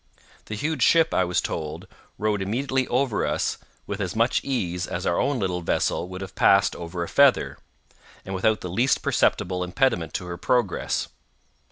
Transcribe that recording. The huge ship, I was told, rode immediately over us with as much ease as our own little vessel would have passed over a feather, and without the least perceptible impediment to her progress.